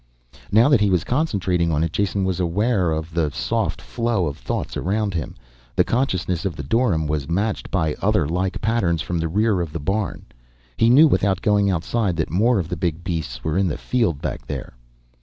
Now that he was concentrating on it, Jason was aware of the soft flow of thoughts around him. The consciousness of the dorym was matched by other like patterns from the rear of the barn. He knew without going outside that more of the big beasts were in the field back there.